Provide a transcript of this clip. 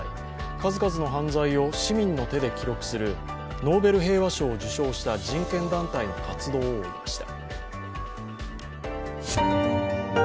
数々の犯罪を市民の手で記録するノーベル平和賞を受賞した人権団体の活動を追いました。